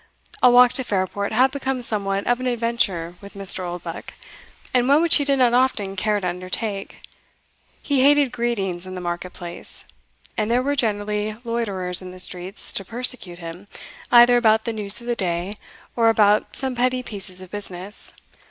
A walk to Fairport had become somewhat of an adventure with Mr. Oldbuck, and one which he did not often care to undertake. He hated greetings in the market place; and there were generally loiterers in the streets to persecute him, either about the news of the day, or about some petty pieces of business.